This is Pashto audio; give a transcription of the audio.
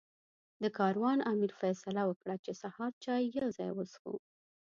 د کاروان امیر فیصله وکړه چې سهار چای یو ځای وڅښو.